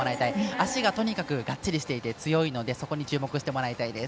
足がとにかくがっちりしていて強いのでそこに注目してもらいたいです。